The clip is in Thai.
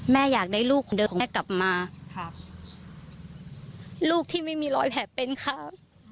แม่อยากได้ลูกเดินของแม่กลับมาลูกที่ไม่มีรอยแผ่เป็นค่ะ